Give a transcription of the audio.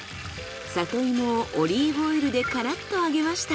里芋をオリーブオイルでからっと揚げました。